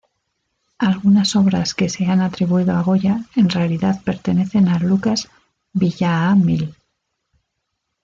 Algunas obras que se han atribuido a Goya en realidad pertenecen a Lucas Villaamil.